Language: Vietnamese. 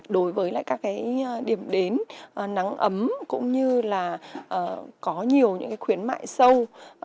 đối với lại các cái điểm đến nắng ấm cũng như là có nhiều những khuyến mại sâu